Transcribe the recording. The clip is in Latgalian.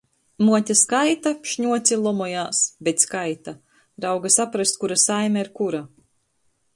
Muote skaita, šņuoc i lomojās. Bet skaita. Rauga saprast, kura saime ir kura.